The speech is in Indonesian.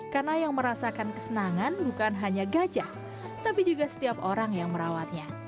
karena yang merasakan kesenangan bukan hanya gajah tapi juga setiap orang yang merawatnya